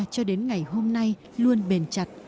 cho đến ngày hôm nay luôn bền chặt